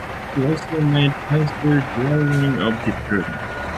He also made pencil drawings of his journey.